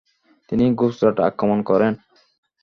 তিনি গুজরাট আক্রমণ করেন।